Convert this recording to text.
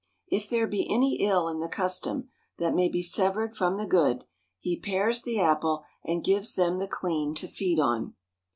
If there be any ill in the custom, that may be severed from the good, he pares the apple, and gives them the clean to feed on.